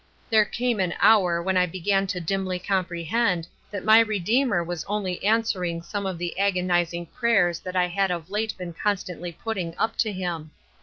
''There came an hour when I began to dimly comprehend that my Redeemer was only answering some of the agonizing prayers that I had of late been con stantly putting up to him.